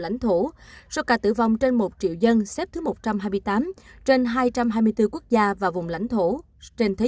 lãnh thổ số ca tử vong trên một triệu dân xếp thứ một trăm hai mươi tám trên hai trăm hai mươi bốn quốc gia và vùng lãnh thổ trên thế